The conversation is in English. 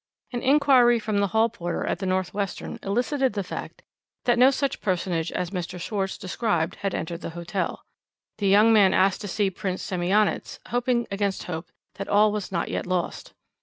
"An inquiry from the hall porter at the North Western elicited the fact that no such personage as Mr. Schwarz described had entered the hotel. The young man asked to see Prince Semionicz, hoping against hope that all was not yet lost.